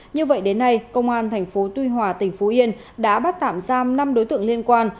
như vậy đến nay công an thành phố tuy hòa tỉnh phú yên đã bắt tạm giam năm đối tượng liên quan